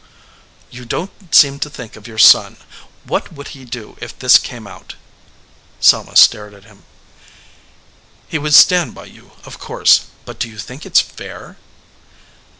"You don t seem to think of your son. What would he do if this came out?" Selma stared at him. "He would stand by you, of course, but do you think it s fair?"